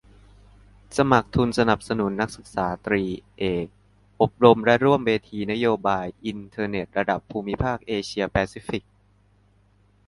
สมัครทุนสนับสนุนนักศึกษาตรี-เอก อบรมและร่วมเวทีนโยบายอินเทอร์เน็ตระดับภูมิภาคเอเชียแปซิฟิก